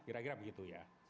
kira kira begitu ya